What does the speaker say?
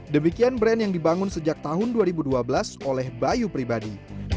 demikian brand yang dibangun sejak tahun dua ribu dua belas oleh bayu pribadi